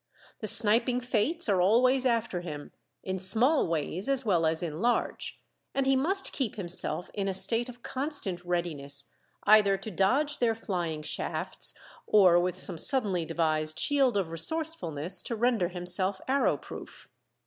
The sniping fates are always after him, in small ways as well as in large, and he must keep himself in a state of constant readiness either to dodge their flying shafts, or with some suddenly devised shield of resourcefulness to render himself arrow proof.